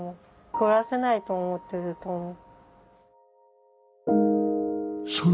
暮らせないと思ってると思う。